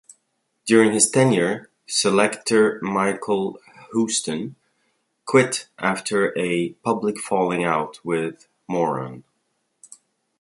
During his tenure selector Michael Houston quit after a public falling out with Moran.